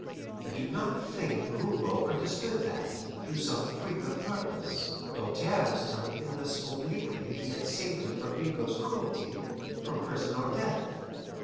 I do not think Voban understood that, through some freak of purpose, Doltaire was telling him thus obliquely he had saved him from Bigot's cruelty, from prison or death.